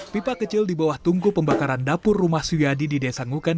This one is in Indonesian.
pipa kecil di bawah tungku pembakaran dapur rumah suyadi di desa ngukan